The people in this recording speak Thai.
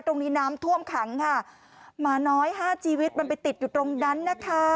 ตรงนี้น้ำท่วมขังค่ะหมาน้อยห้าชีวิตมันไปติดอยู่ตรงนั้นนะคะ